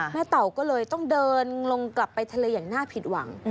เต่าก็เลยต้องเดินลงกลับไปทะเลอย่างน่าผิดหวัง